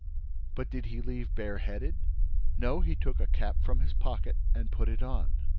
"But did he leave bare headed?" "No, he took a cap from his pocket and put it on."